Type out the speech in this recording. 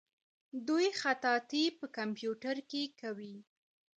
دوی خطاطي په کمپیوټر کې کوي.